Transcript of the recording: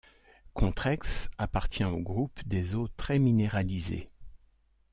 Contrex appartient au groupe des eaux très minéralisées.